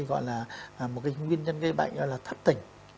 gọi là một cái nguyên nhân gây bệnh gọi là thất tỉnh